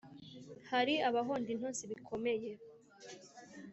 hari abahonda intozi bikomeye,